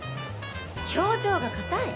表情が硬い！